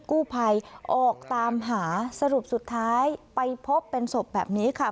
กู้ภัยออกตามหาสรุปสุดท้ายไปพบเป็นศพแบบนี้ค่ะ